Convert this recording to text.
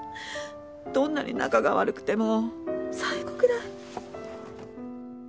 どんなに仲が悪くても最期くらい。